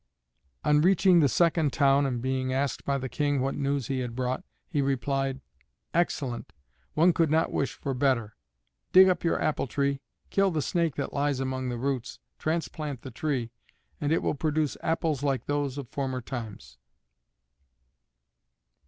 On reaching the second town and being asked by the King what news he had brought, he replied, "Excellent; one could not wish for better. Dig up your apple tree, kill the snake that lies among the roots, transplant the tree, and it will produce apples like those of former times."